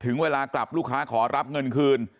ถึงเวลากลับลูกค้าขอรับเงินคืน